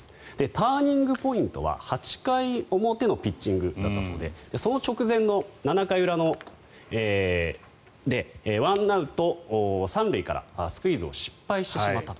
ターニングポイントは８回表のピッチングだったそうでその直前の７回裏で１アウト３塁からスクイズを失敗してしまったと。